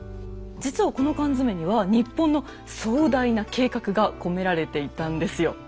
実はこの缶詰には日本の壮大な計画が込められていたんですよ。